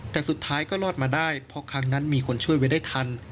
แต่สุดท้ายก็รอดมาได้เพราะครั้งนั้นมีคนช่วยไว้ได้ทัน